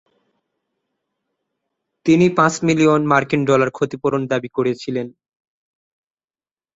তিনি পাঁচ মিলিয়ন মার্কিন ডলার ক্ষতিপূরণ দাবী করেছিলেন।